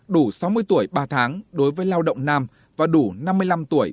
đủ sáu mươi tuổi ba tháng đối với lao động nam và đủ năm mươi năm tuổi bốn mươi năm tuổi